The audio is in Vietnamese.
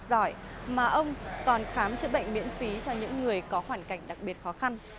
và ông còn khám chữa bệnh miễn phí cho những người có hoàn cảnh đặc biệt khó khăn